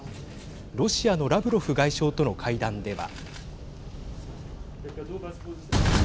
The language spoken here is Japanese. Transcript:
ロシアのラブロフ外相との会談では。